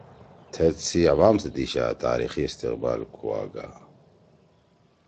تھید سی عوام سی دیِشا تاریخی استقبال کُواگا